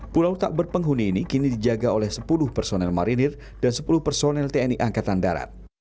pulau tak berpenghuni ini kini dijaga oleh sepuluh personel marinir dan sepuluh personel tni angkatan darat